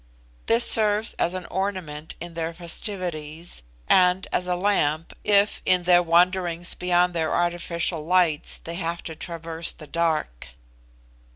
This serves as an ornament in their festivities, and as a lamp, if, in their wanderings beyond their artificial lights, they have to traverse the dark.